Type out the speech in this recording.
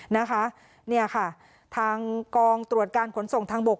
นี่ค่ะทางกองตรวจการขนส่งทางบก